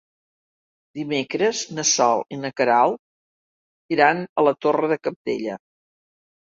Dimecres na Sol i na Queralt iran a la Torre de Cabdella.